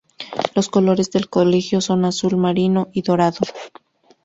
Los colores del colegio son azul marino y dorado.